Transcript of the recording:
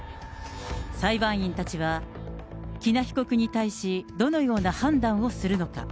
裁判員たちは喜納被告に対し、どのような判断をするのか。